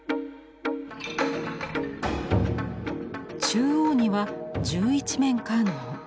中央には十一面観音。